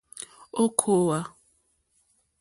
Ò kàwà.